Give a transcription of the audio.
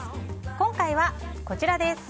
今回はこちらです。